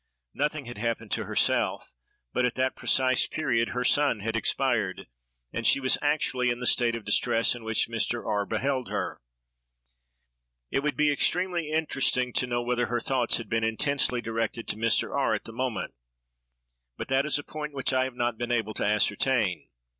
Nothing had happened to herself, but at that precise period her son had expired, and she was actually in the state of distress in which Mr. R—— beheld her. It would be extremely interesting to know whether her thoughts had been intensely directed to Mr. R—— at the moment; but that is a point which I have not been able to ascertain.